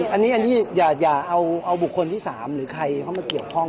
อันนี้อย่าเอาบุคคลที่๓หรือใครเข้ามาเกี่ยวข้อง